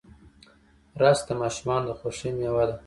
رس د ماشومانو د خوښۍ میوه ده